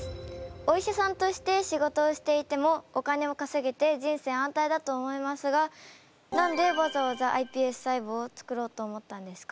お医者さんとして仕事をしていてもお金をかせげて人生安泰だと思いますがなんでわざわざｉＰＳ細胞を作ろうと思ったんですか？